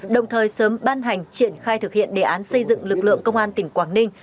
đồng thời sớm ban hành triển khai thực hiện đề án xây dựng lực lượng công an tỉnh quảng ninh